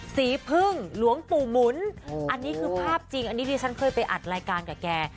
สีพึ่งหลวงปู่หมุนอันนี้คือภาพจริงอันนี้ที่ฉันเคยไปอัดรายการกับแก